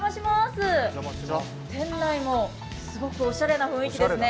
店内もすごくおしゃれな雰囲気ですね。